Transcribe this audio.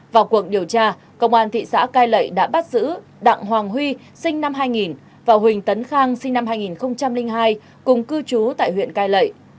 vào cuộc điều tra công an thị xã cai lậy đã bắt giữ đặng hoàng huy sinh năm hai nghìn và huỳnh tấn khang sinh năm hai nghìn hai cùng cư trú tại huyện cai lệ